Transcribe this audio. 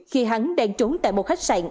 khi hắn đang trốn tại một khách sạn